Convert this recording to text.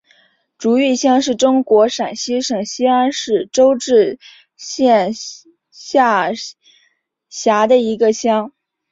竹峪乡是中国陕西省西安市周至县下辖的一个乡。